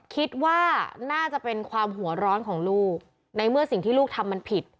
คิดว่าน่าจะเป็นความหัวร้อนของลูกในเมื่อสิ่งที่ลูกทำมันผิด